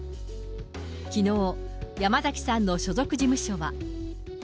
きのう、山崎さんの所属事務所は。